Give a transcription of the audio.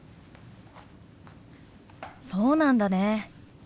そうなんだね。